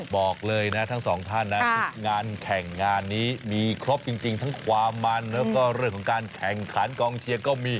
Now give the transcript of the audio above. บอกเลยนะทั้งสองท่านนะทุกงานแข่งงานนี้มีครบจริงทั้งความมันแล้วก็เรื่องของการแข่งขันกองเชียร์ก็มี